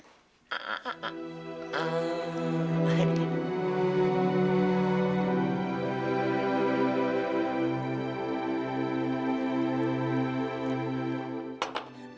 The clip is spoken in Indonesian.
nah salah satu dong